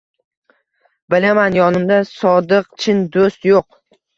Bilaman yonimda sodiq chin dust yuq